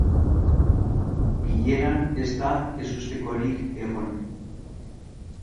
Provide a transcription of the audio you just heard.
Bileran ez da ezustekorik egon.